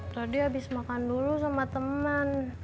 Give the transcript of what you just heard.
tadi habis makan dulu sama teman